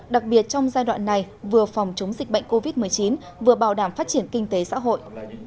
đặc biệt trong giai đoạn này vừa phòng chống dịch bệnh covid một mươi chín vừa bảo đảm phát triển kinh tế xã hội